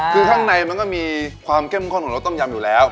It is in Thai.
คือข้างในมันก็มีความเข้มข้นของรสต้มยำอยู่แล้ว